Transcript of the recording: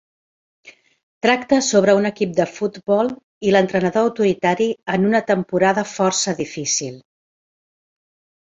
Tracta sobre un equip de futbol i l'entrenador autoritari en una temporada força difícil.